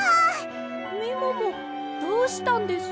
みももどうしたんです？